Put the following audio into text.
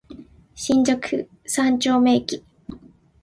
新宿三丁目駅